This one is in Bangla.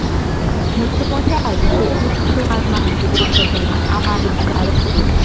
মেসোমশায়, সে ইঁট তোমার মাথায় পৌঁছবে না, আমার ঘাড়েপড়বে।